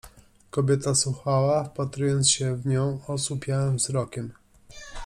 Kobieta słuchała, wpatrując się w nią osłupiałym wzrokiem.